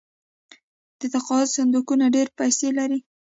د تقاعد صندوقونه ډیرې پیسې لري.